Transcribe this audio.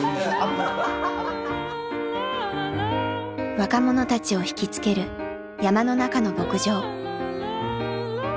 若者たちを引き付ける山の中の牧場。